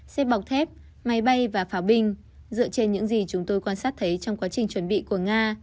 xếp bọc thép máy bay và pháo binh dựa trên những gì chúng tôi quan sát thấy trong quá trình chuẩn bị của nga